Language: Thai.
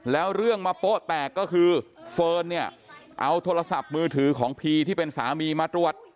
แล้วเรื่องมาโป๊ะแตกก็คือเฟิร์นเนี่ยเอาโทรศัพท์มือถือของพีที่เป็นสามีมาตรวจ